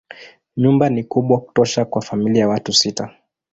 Nyumba ni kubwa kutosha kwa familia ya watu sita.